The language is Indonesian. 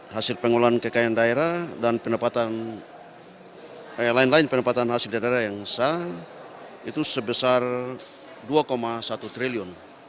hasil pengelolaan kekayaan daerah dan pendapatan hasil daerah yang besar itu sebesar dua satu triliun